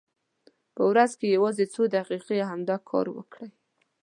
په ورځ کې یوازې څو دقیقې همدا کار وکړئ.